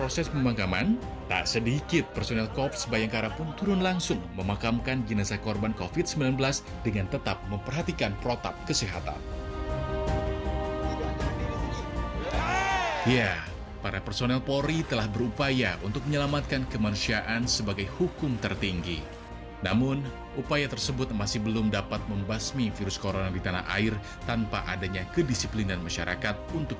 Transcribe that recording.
sebagai upaya preventif para personel polri melakukan patroli serta pengawasan